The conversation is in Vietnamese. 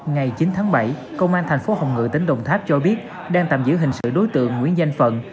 ngày chín tháng bảy công an thành phố hồng ngự tỉnh đồng tháp cho biết đang tạm giữ hình sự đối tượng nguyễn danh phận